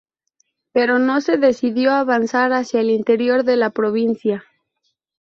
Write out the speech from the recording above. Pero no se decidió a avanzar hacia el interior de la provincia.